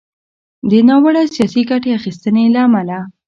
د ناوړه “سياسي ګټې اخيستنې” له امله